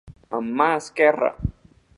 Amb mà esquerra.